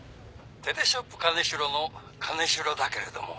『テレショップ金城』の金城だけれども。